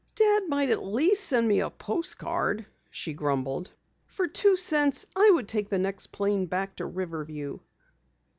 "Dad might at least send me a postcard," she grumbled. "For two cents I would take the next plane back to Riverview."